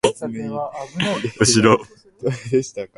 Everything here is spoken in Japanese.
うしろ！